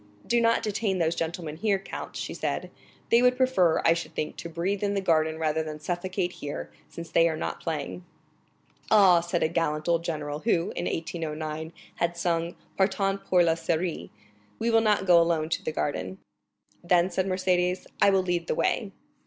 "Do not detain those gentlemen here, count," she said; "they would prefer, I should think, to breathe in the garden rather than suffocate here, since they are not playing." "Ah," said a gallant old general, who, in 1809, had sung Partant pour la Syrie,—"we will not go alone to the garden." "Then," said Mercédès, "I will lead the way."